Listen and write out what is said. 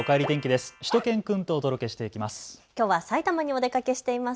しゅと犬くんとお届けしていきます。